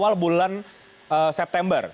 awal awal bulan september